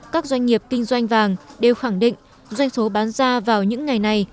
các doanh nghiệp kinh doanh vàng đều khẳng định doanh số bán ra vào những ngày này